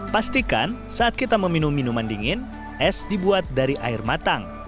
pastikan saat kita meminum minuman dingin es dibuat dari air matang